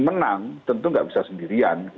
menang tentu nggak bisa sendirian